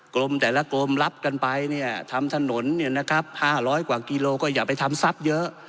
กรมแต่ละกรมรับกันไปเนี่ยทำถนน๕๐๐กว่ากิโลก็อย่าไปทำทรัพย์เยอะ